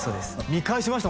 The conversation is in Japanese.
見返しました